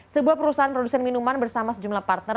sebuah perusahaan produsen minuman bersama sejumlah partner